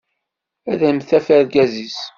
Ad d-taf argaz-is.